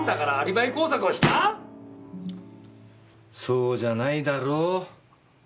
そうじゃないだろう？